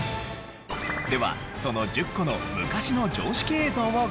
ではその１０個の昔の常識映像をご紹介。